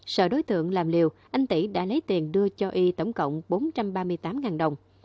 sợ đối tượng làm liều anh tý đã lấy tiền đưa cho y tổng cộng bốn trăm ba mươi tám đồng